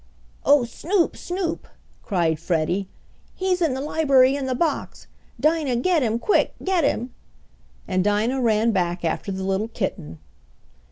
"Oh, Snoop, Snoop!" cried Freddie. "He's in the library in the box! Dinah, get him quick, get him!" and Dinah ran back after the little kitten.